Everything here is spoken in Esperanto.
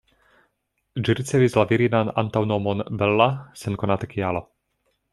Ĝi ricevis la virinan antaŭnomon ""Bella"" sen konata kialo.